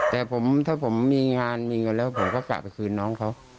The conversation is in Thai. แต่ถ้าผมมีงานมีเงินแล้วผมก็กลับไปคืนน้องเขา